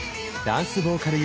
ダンスボーカル